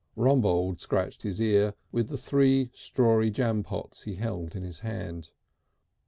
Rumbold scratched his ear with the three strawy jampots he held in his hand.